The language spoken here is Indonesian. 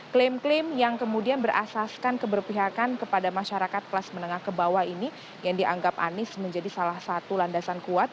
klaim klaim yang kemudian berasaskan keberpihakan kepada masyarakat kelas menengah ke bawah ini yang dianggap anies menjadi salah satu landasan kuat